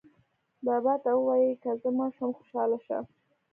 بابا ته ووایئ که زه مړه شوم خوشاله شه.